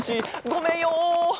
ごめんよ！